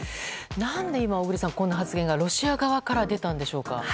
何で今小栗さん、この発言がロシア側から出たんでしょうか。